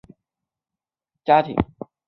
施兰芳教授出生在一个法国犹太人家庭。